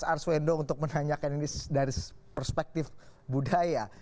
saya akan ke pak wendro untuk menanyakan ini dari perspektif budaya